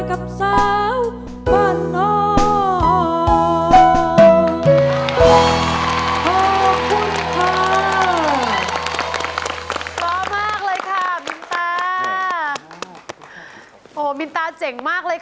กับสาวบ้านน้อง